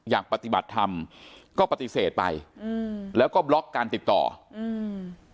อยากปฏิบัติธรรมก็ปฏิเสธไปอืมแล้วก็บล็อกการติดต่ออืม